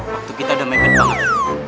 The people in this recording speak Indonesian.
waktu kita udah mepet banget